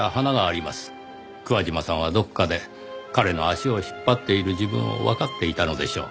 桑島さんはどこかで彼の足を引っ張っている自分をわかっていたのでしょう。